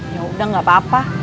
yaudah gak apa apa